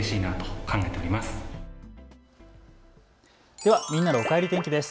ではみんなのおかえり天気です。